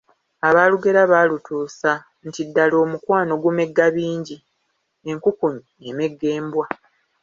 Abaalugera baalutuusa, nti ddala omukwano gumegga bingi, enkukunyi emegga embwa.